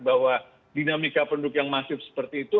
bahwa dinamika penduduk yang masif seperti itu